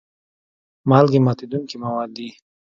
مالګې ماتیدونکي مواد دي.